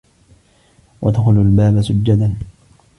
وَادْخُلُوا الْبَابَ سُجَّدًا